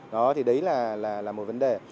đó thì đấy là một vấn đề